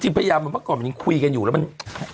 จริงพัยก่อนมันยังคุยกันอยู่แล้วมัน